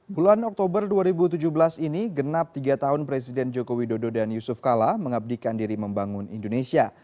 bulan oktober dua ribu tujuh belas ini genap tiga tahun presiden joko widodo dan yusuf kala mengabdikan diri membangun indonesia